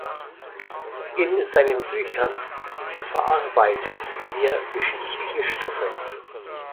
In seinen Büchern verarbeitet er geschichtliche Stoffe.